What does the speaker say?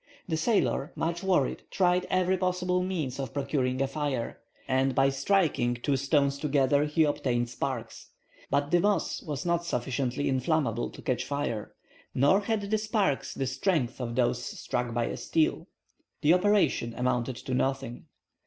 The sailor, much worried, tried every possible means of procuring a fire. He had found some dry moss, and by striking two stones together he obtained sparks; but the moss was not sufficiently inflammable to catch fire, nor had the sparks the strength of those struck by a steel. The operation amounted to nothing.